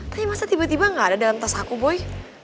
tapi masa tiba tiba gak ada dalam tas aku boy